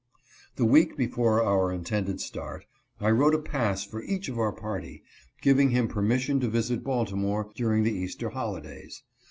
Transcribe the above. The week before our intended start, I wrote a pass for each of our party, giving him permission to visit Balti more during the Easter holidays.